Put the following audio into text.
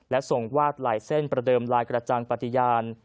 และส่งวาดลายเส้นประเดิมลายกระจังปฏิญาณ